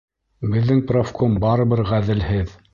Беҙҙең профком барыбер ғәҙелһеҙ!